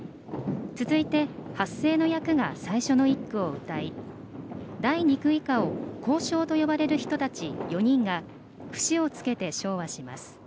続いて、発声の役が最初の一句をうたい第二句以下を講頌と呼ばれる人たち４人が節をつけて唱和します。